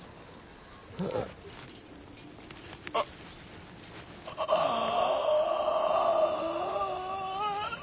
ああああ。